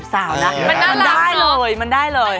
มันได้เลยมันได้เลย